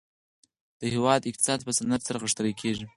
د هیواد اقتصاد په صنعت سره غښتلی کیږي